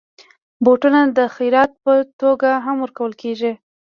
بوټونه د خيرات په توګه هم ورکول کېږي.